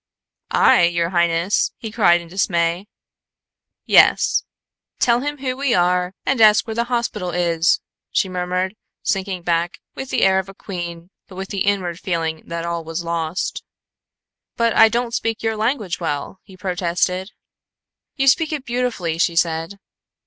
"I, your highness?" he cried in dismay. "Yes. Tell him who we are and ask where the hospital is," she murmured, sinking back with the air of a queen, but with the inward feeling that all was lost. "But I don't speak your language well," he protested. "You speak it beautifully," she said.